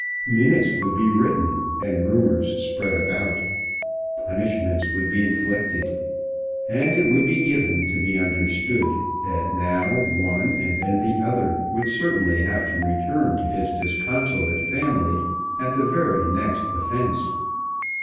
Minutes would be written and rumours spread about; punishments would be inflicted, and it would be given to be understood that now one and then the other would certainly have to return to his disconsolate family at the very next offence.